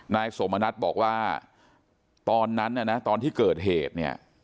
นายสมณัฐบอกว่าตอนนั้นน่ะนะตอนที่เกิดเหตุเนี่ย